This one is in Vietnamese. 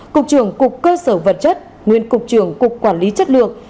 cục trường cục cơ sở vật chất nguyên cục trường cục quản lý chất lượng